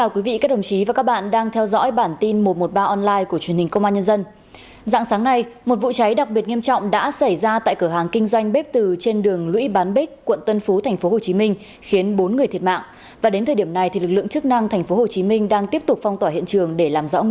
các bạn hãy đăng ký kênh để ủng hộ kênh của chúng mình nhé